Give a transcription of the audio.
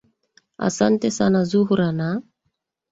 asante sana zuhra na